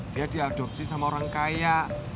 dia diadopsi sama orang kaya